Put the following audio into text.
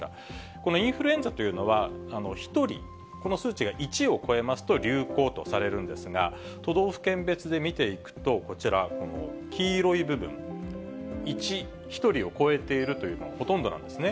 このインフルエンザというのは、１人、この数値が１を超えますと、流行とされるんですが、都道府県別で見ていくと、こちら、この黄色い部分、１、１人を超えているというのがほとんどなんですね。